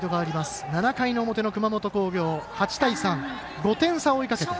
７回の表の熊本工業、８対３５点差を追いかけて。